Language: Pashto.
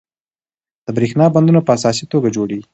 د بریښنا بندونه په اساسي توګه جوړیږي.